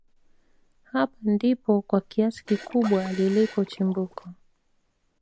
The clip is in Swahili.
hapa ndipo kwa kiasi kikubwa lilipo chimbuko